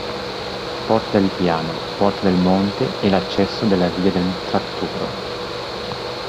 Porta del Piano, Porta del Monte, e l'accesso dalla via del tratturo.